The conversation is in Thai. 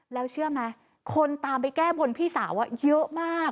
แล้วเชื่อไหมคนตามไปแก้บนพี่สาวเยอะมาก